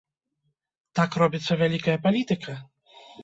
Так робіцца вялікая палітыка?